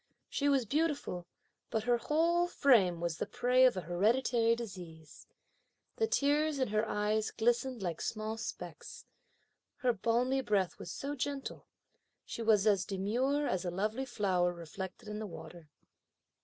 She was beautiful, but her whole frame was the prey of a hereditary disease. The tears in her eyes glistened like small specks. Her balmy breath was so gentle. She was as demure as a lovely flower reflected in the water.